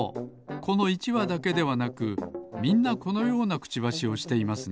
この１わだけではなくみんなこのようなクチバシをしていますね。